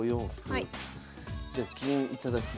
はい。